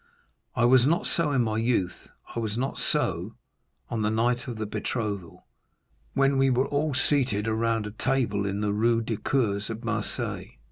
I was not so in my youth, I was not so on the night of the betrothal, when we were all seated around a table in the Rue du Cours at Marseilles.